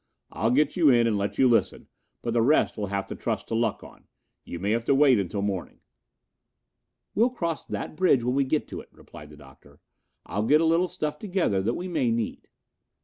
"I'll get you in and let you listen, but the rest we'll have to trust to luck on. You may have to wait until morning." "We'll cross that bridge when we get to it," replied the Doctor. "I'll get a little stuff together that we may need."